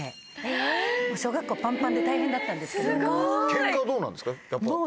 ケンカはどうなんですか？